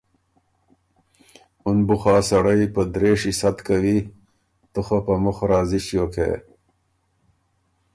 اُن بُو خه ا سړئ په درېشی ست کوی، تُو خه په مُخ راضی ݭیوک هې۔